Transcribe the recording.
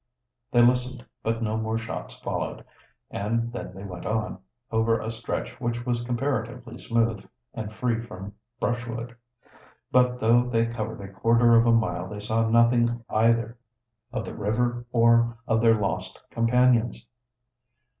They listened, but no more shots followed, and then they went on, over a stretch which was comparatively smooth and free from brushwood. But though they covered a quarter of a mile they saw nothing either of the river or of their lost companions.